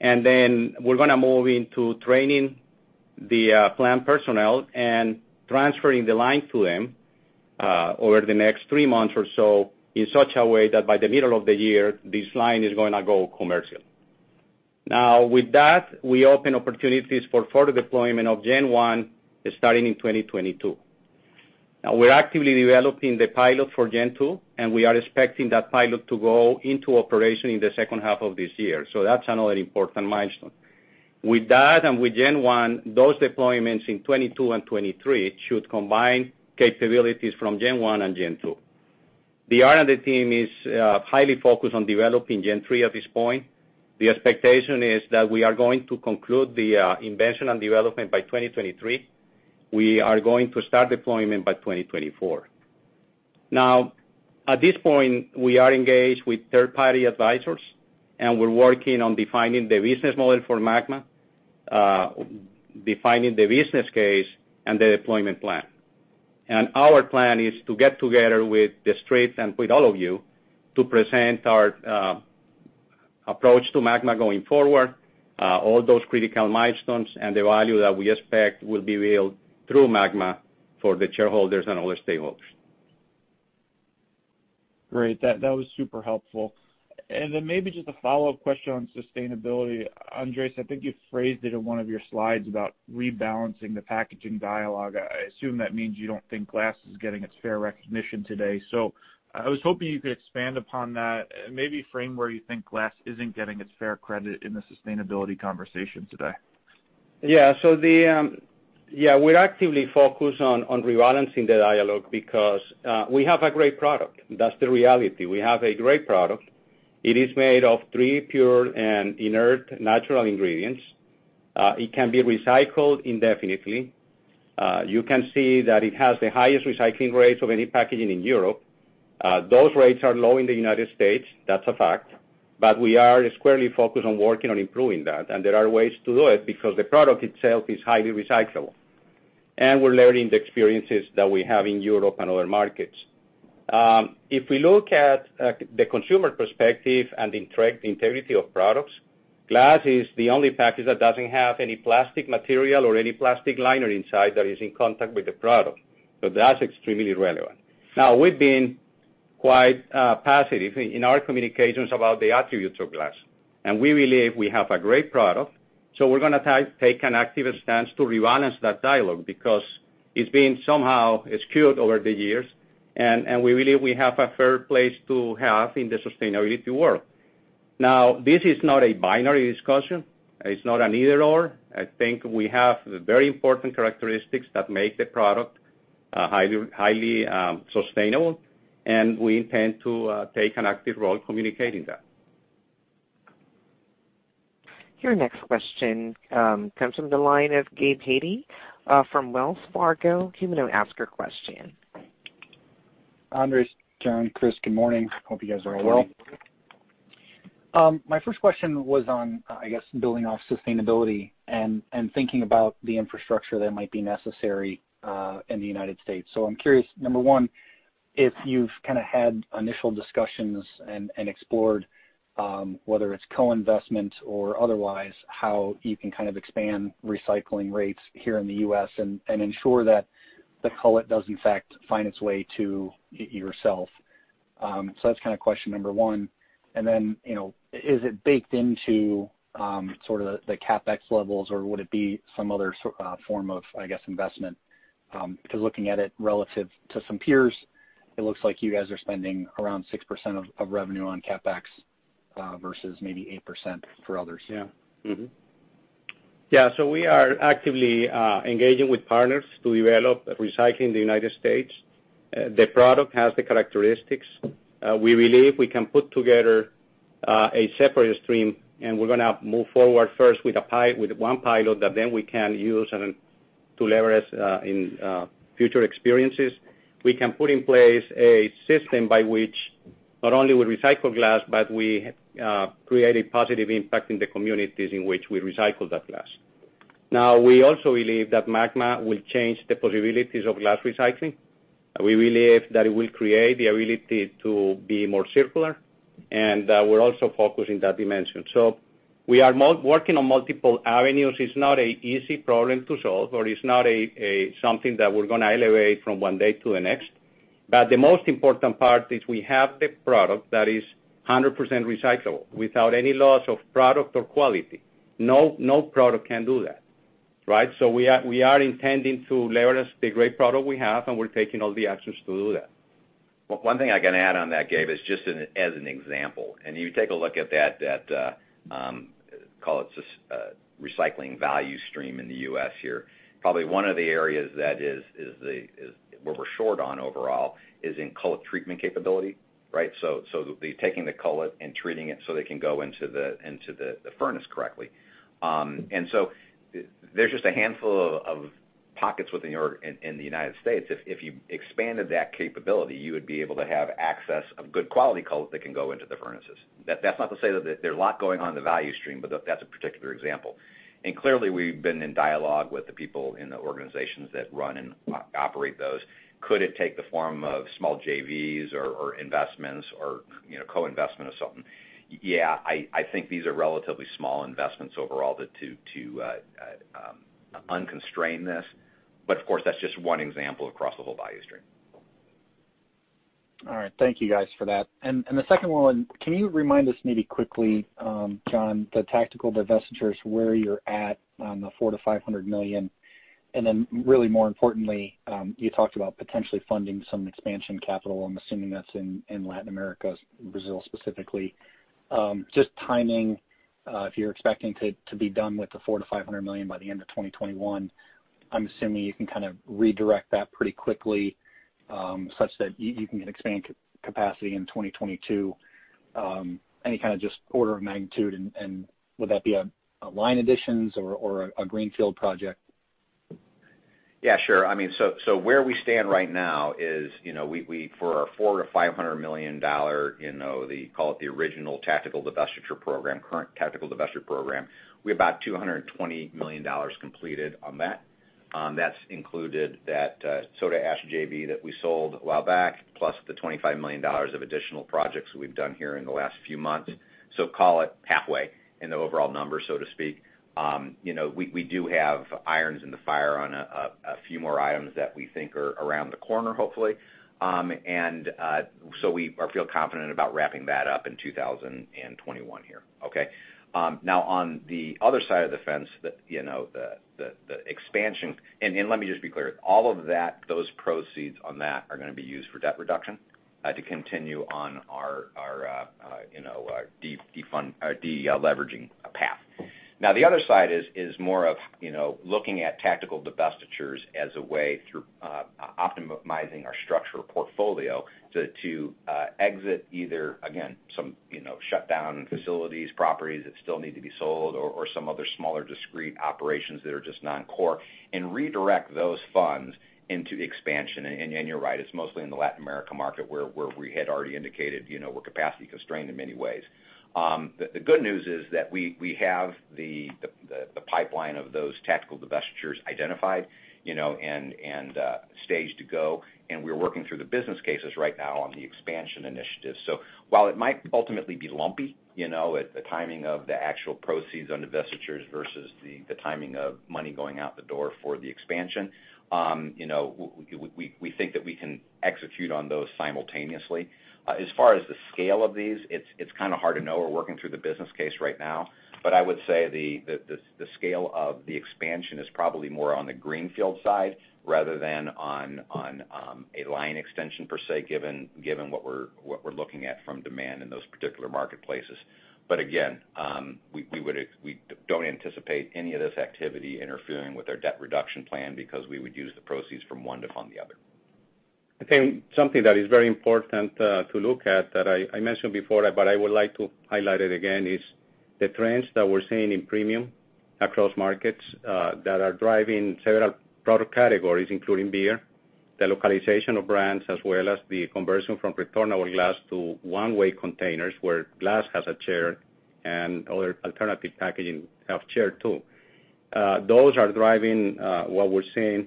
We're going to move into training the plant personnel and transferring the line to them over the next three months or so in such a way that by the middle of the year, this line is going to go commercial. With that, we open opportunities for further deployment of Gen 1 starting in 2022. We're actively developing the pilot for Gen 2, and we are expecting that pilot to go into operation in the second half of this year. That's another important milestone. With that and with Gen 1, those deployments in 2022 and 2023 should combine capabilities from Gen 1 and Gen 2. The R&D team is highly focused on developing Gen 3 at this point. The expectation is that we are going to conclude the invention and development by 2023. We are going to start deployment by 2024. Now, at this point, we are engaged with third-party advisors, and we're working on defining the business model for MAGMA, defining the business case, and the deployment plan. Our plan is to get together with the Street and with all of you to present our approach to MAGMA going forward, all those critical milestones, and the value that we expect will be realized through MAGMA for the shareholders and all the stakeholders. Great. That was super helpful. Maybe just a follow-up question on sustainability. Andres, I think you phrased it in one of your slides about rebalancing the packaging dialogue. I assume that means you don't think glass is getting its fair recognition today. I was hoping you could expand upon that, maybe frame where you think glass isn't getting its fair credit in the sustainability conversation today. Yeah. We're actively focused on rebalancing the dialogue because we have a great product. That's the reality. We have a great product. It is made of three pure and inert natural ingredients. It can be recycled indefinitely. You can see that it has the highest recycling rates of any packaging in Europe. Those rates are low in the United States, that's a fact, but we are squarely focused on working on improving that, and there are ways to do it because the product itself is highly recyclable. We're learning the experiences that we have in Europe and other markets. If we look at the consumer perspective and integrity of products, glass is the only package that doesn't have any plastic material or any plastic liner inside that is in contact with the product. That's extremely relevant. We've been quite passive in our communications about the attributes of glass, and we believe we have a great product. We're going to take an active stance to rebalance that dialogue because it's been somehow skewed over the years, and we believe we have a fair place to have in the sustainability world. This is not a binary discussion. It's not an either/or. I think we have very important characteristics that make the product highly sustainable, and we intend to take an active role communicating that. Your next question comes from the line of Gabe Hajde from Wells Fargo. You may now ask your question. Andres, John, Chris, good morning. Hope you guys are all well. Good morning. My first question was on, I guess, building off sustainability and thinking about the infrastructure that might be necessary in the United States I'm curious, number one, if you've had initial discussions and explored, whether it's co-investment or otherwise, how you can expand recycling rates here in the U.S. and ensure that the cullet does in fact find its way to yourself. That's question number one. Is it baked into the CapEx levels or would it be some other form of investment? Looking at it relative to some peers, it looks like you guys are spending around 6% of revenue on CapEx versus maybe 8% for others. Yeah. Mm-hmm. Yeah. We are actively engaging with partners to develop recycling in the United States. The product has the characteristics. We believe we can put together a separate stream, and we're going to move forward first with one pilot that then we can use to leverage in future experiences. We can put in place a system by which not only we recycle glass, but we create a positive impact in the communities in which we recycle that glass. We also believe that MAGMA will change the possibilities of glass recycling. We believe that it will create the ability to be more circular, and we're also focused in that dimension. We are working on multiple avenues. It's not an easy problem to solve, or it's not something that we're going to elevate from one day to the next. The most important part is we have the product that is 100% recyclable without any loss of product or quality. No product can do that, right? We are intending to leverage the great product we have, and we're taking all the actions to do that. Well, one thing I can add on that, Gabe, is just as an example, and you take a look at that, call it recycling value stream in the U.S. here. Probably one of the areas where we're short on overall is in cullet treatment capability, right? The taking the cullet and treating it so they can go into the furnace correctly. There's just a handful of pockets within the United States. If you expanded that capability, you would be able to have access of good quality cullet that can go into the furnaces. That's not to say that there's a lot going on in the value stream, but that's a particular example. Clearly, we've been in dialogue with the people in the organizations that run and operate those. Could it take the form of small JVs or investments or co-investment of something? Yeah, I think these are relatively small investments overall to unconstrain this. Of course, that's just one example across the whole value stream. All right. Thank you guys for that. The second one, can you remind us maybe quickly, John, the tactical divestitures where you're at on the $400 million-$500 million? Then really more importantly, you talked about potentially funding some expansion capital. I'm assuming that's in Latin America, Brazil specifically. Just timing, if you're expecting to be done with the $400 million-$500 million by the end of 2021, I'm assuming you can kind of redirect that pretty quickly, such that you can expand capacity in 2022. Any kind of just order of magnitude and would that be a line additions or a greenfield project? Yeah, sure. Where we stand right now is for our $400 million-$500 million, call it the original tactical divestiture program, current tactical divestiture program, we have about $220 million completed on that. That's included that soda ash JV that we sold a while back, plus the $25 million of additional projects we've done here in the last few months. Call it halfway in the overall number, so to speak. We do have irons in the fire on a few more items that we think are around the corner, hopefully. We feel confident about wrapping that up in 2021 here. Okay? Now on the other side of the fence. Let me just be clear. All of those proceeds on that are going to be used for debt reduction to continue on our de-leveraging path. The other side is more of looking at tactical divestitures as a way through optimizing our structural portfolio to exit either, again, some shutdown facilities, properties that still need to be sold or some other smaller discrete operations that are just non-core and redirect those funds into expansion. You're right, it's mostly in the Latin America market where we had already indicated we're capacity constrained in many ways. The good news is that we have the pipeline of those tactical divestitures identified and staged to go. We're working through the business cases right now on the expansion initiatives. While it might ultimately be lumpy, the timing of the actual proceeds on divestitures versus the timing of money going out the door for the expansion, we think that we can execute on those simultaneously. As far as the scale of these, it's kind of hard to know. We're working through the business case right now. I would say the scale of the expansion is probably more on the greenfield side rather than on a line extension per se, given what we're looking at from demand in those particular marketplaces. Again, we don't anticipate any of this activity interfering with our debt reduction plan because we would use the proceeds from one to fund the other. I think something that is very important to look at that I mentioned before, but I would like to highlight it again, is the trends that we're seeing in premium across markets that are driving several product categories, including beer, the localization of brands, as well as the conversion from returnable glass to one-way containers where glass has a share and other alternative packaging have share, too. Those are driving what we're seeing.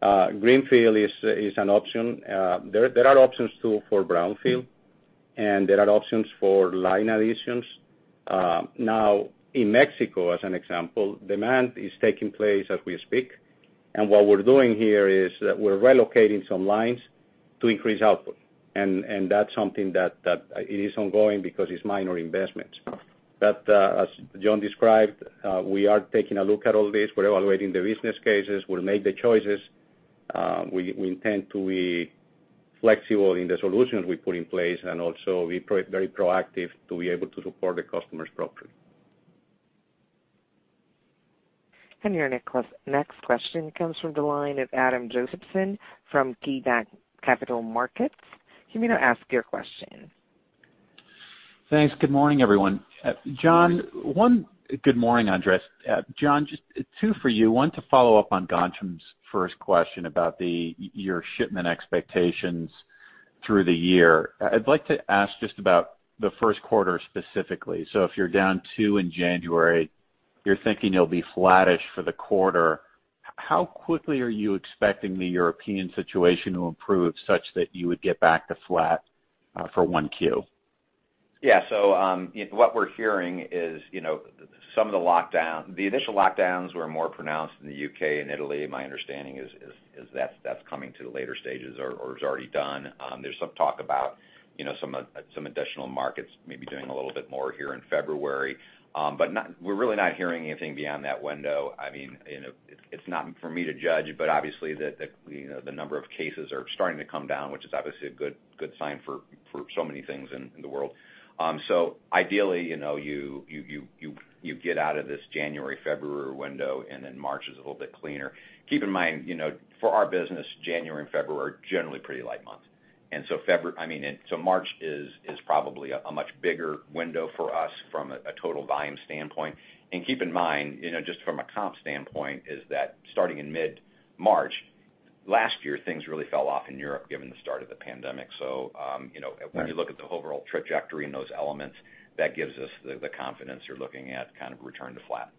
Greenfield is an option. There are options, too, for brownfield. There are options for line additions. Now in Mexico, as an example, demand is taking place as we speak. What we're doing here is that we're relocating some lines to increase output. That's something that is ongoing because it's minor investments. As John described, we are taking a look at all this. We're evaluating the business cases. We'll make the choices. We intend to be flexible in the solutions we put in place and also be very proactive to be able to support the customers properly. Your next question comes from the line of Adam Josephson from KeyBanc Capital Markets. You may now ask your question. Thanks. Good morning, everyone. John, one. Good morning, Andres. John, just two for you. One to follow up on Ghansham's first question about your shipment expectations through the year. I'd like to ask just about the first quarter specifically. If you're down 2% in January, you're thinking you'll be flattish for the quarter. How quickly are you expecting the European situation to improve such that you would get back to flat for 1Q? Yeah. What we're hearing is the initial lockdowns were more pronounced in the U.K. and Italy. My understanding is that's coming to the later stages or is already done. There's some talk about some additional markets maybe doing a little bit more here in February. We're really not hearing anything beyond that window. It's not for me to judge, but obviously the number of cases are starting to come down, which is obviously a good sign for so many things in the world. Ideally, you get out of this January, February window and then March is a little bit cleaner. Keep in mind, for our business, January and February are generally pretty light months. March is probably a much bigger window for us from a total volume standpoint. Keep in mind, just from a comp standpoint, is that starting in mid-March last year, things really fell off in Europe given the start of the pandemic. When you look at the overall trajectory and those elements, that gives us the confidence you're looking at return to flat.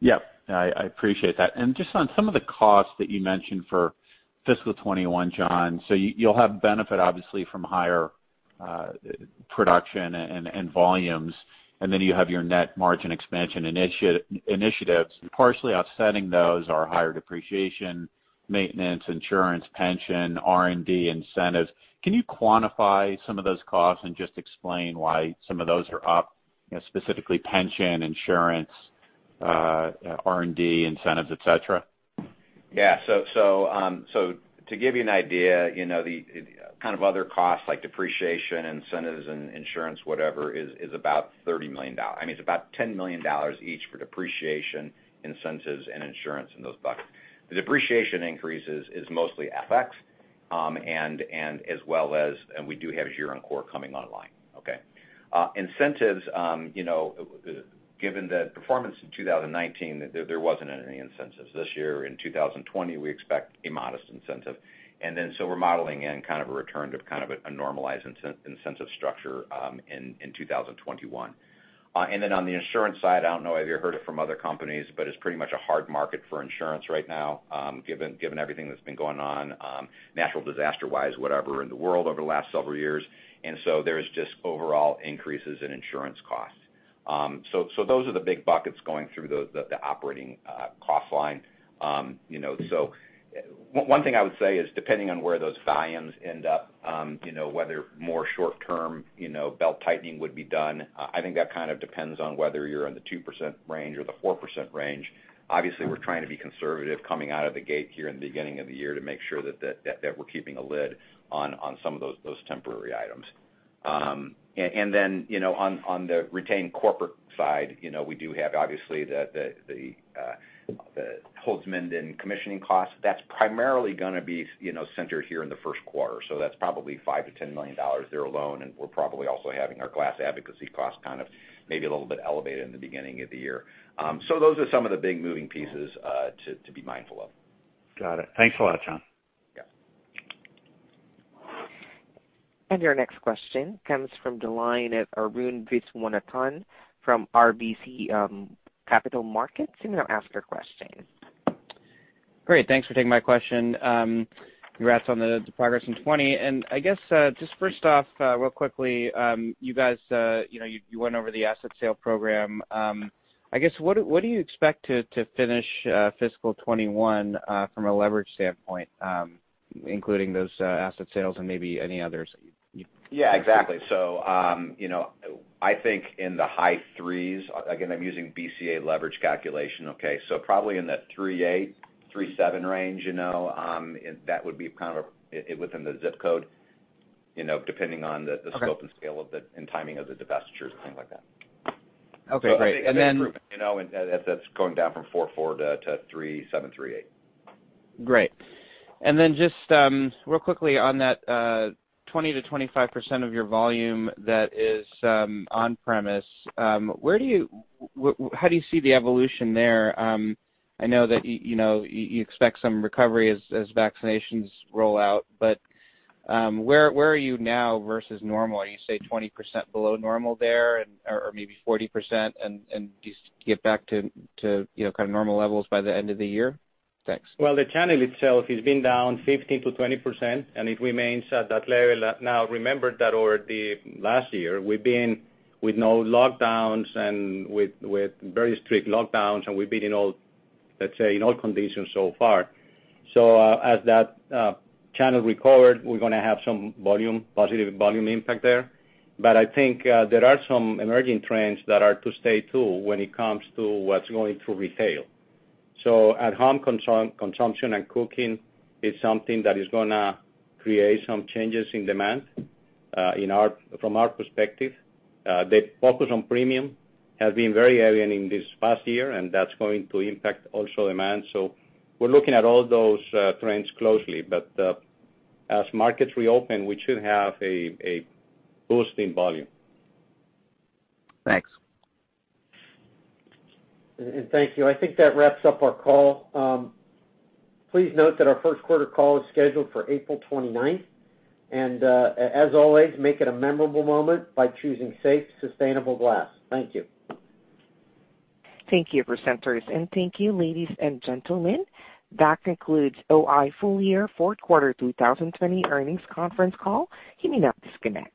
Yep. I appreciate that. Just on some of the costs that you mentioned for fiscal 2021, John, so you'll have benefit obviously from higher production and volumes, and then you have your net margin expansion initiatives. Partially offsetting those are higher depreciation, maintenance, insurance, pension, R&D, incentives. Can you quantify some of those costs and just explain why some of those are up, specifically pension, insurance, R&D, incentives, et cetera? To give you an idea, the other costs like depreciation, incentives, and insurance, whatever, is about $30 million. I mean, it's about $10 million each for depreciation, incentives, and insurance in those buckets. The depreciation increases is mostly FX, and we do have Gironcourt coming online. Incentives, given the performance in 2019, there wasn't any incentives. This year, in 2020, we expect a modest incentive. We're modeling in a return to a normalized incentive structure in 2021. On the insurance side, I don't know if you heard it from other companies, but it's pretty much a hard market for insurance right now given everything that's been going on, natural disaster-wise, whatever, in the world over the last several years. There's just overall increases in insurance costs. Those are the big buckets going through the operating cost line. One thing I would say is depending on where those volumes end up, whether more short-term belt-tightening would be done, I think that depends on whether you're in the 2% range or the 4% range. Obviously, we're trying to be conservative coming out of the gate here in the beginning of the year to make sure that we're keeping a lid on some of those temporary items. On the retained corporate side, we do have obviously the Holzminden commissioning cost. That's primarily going to be centered here in the first quarter. That's probably $5 million-$10 million there alone, and we're probably also having our glass advocacy cost maybe a little bit elevated in the beginning of the year. Those are some of the big moving pieces to be mindful of. Got it. Thanks a lot, John. Yeah. Your next question comes from the line of Arun Viswanathan from RBC Capital Markets. You may now ask your question. Great. Thanks for taking my question. Congrats on the progress in 2020. I guess, just first off, real quickly, you guys went over the asset sale program. I guess, what do you expect to finish fiscal 2021 from a leverage standpoint, including those asset sales and maybe any others? Yeah, exactly. I think in the high threes. Again, I'm using BCA leverage calculation, okay. Probably in that 3.8, 3.7 range. That would be within the ZIP code, depending on the scope and scale and timing of the divestitures, things like that. Okay, great. That's going down from 4.4-3.7, 3.8. Great. Just real quickly on that 20%-25% of your volume that is on premise. How do you see the evolution there? I know that you expect some recovery as vaccinations roll out, but where are you now versus normal? Are you, say, 20% below normal there or maybe 40%, and do you get back to normal levels by the end of the year? Thanks. The channel itself has been down 15%-20%, and it remains at that level. Remember that over the last year, we've been with no lockdowns and with very strict lockdowns, and we've been in all, let's say, in all conditions so far. As that channel recovered, we're going to have some positive volume impact there. I think there are some emerging trends that are to stay, too, when it comes to what's going through retail. At-home consumption and cooking is something that is going to create some changes in demand from our perspective. The focus on premium has been very evident in this past year, and that's going to impact also demand. We're looking at all those trends closely. As markets reopen, we should have a boost in volume. Thanks. Thank you. I think that wraps up our call. Please note that our first quarter call is scheduled for April 29th. As always, make it a memorable moment by choosing safe, sustainable glass. Thank you. Thank you, presenters, and thank you, ladies and gentlemen. That concludes O-I full year fourth quarter 2020 earnings conference call. You may now disconnect.